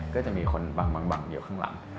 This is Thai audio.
ก็จะมีคนบังอยู่ข้างหลัง